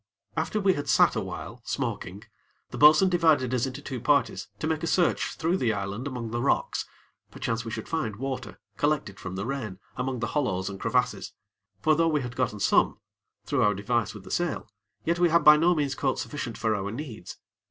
After we had sat awhile, smoking, the bo'sun divided us into two parties to make a search through the island among the rocks, perchance we should find water, collected from the rain, among the hollows and crevasses; for though we had gotten some, through our device with the sail, yet we had by no means caught sufficient for our needs.